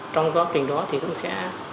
trong quá trình đó thì cũng sẽ